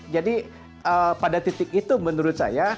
jadi pada titik itu menurut saya